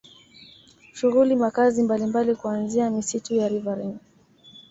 Shughuli makazi mbalimbali kuanzia misitu ya riverine